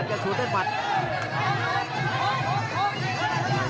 ต้องการสวัสดีค่ะ